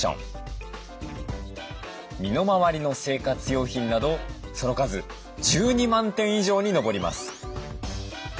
身の回りの生活用品などその数１２万点以上に上ります。